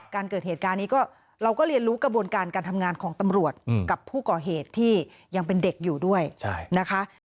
การเกิดเหตุการณ์นี้ก็เราก็เรียนรู้กระบวนการการทำงานของตำรวจกับผู้ก่อเหตุที่ยังเป็นเด็กอยู่ด้วยนะคะ